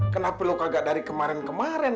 kenapa perlu kagak dari kemarin kemarin